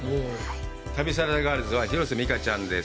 旅サラダガールズは広瀬未花ちゃんです。